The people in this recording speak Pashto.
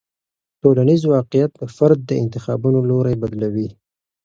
ټولنیز واقیعت د فرد د انتخابونو لوری بدلوي.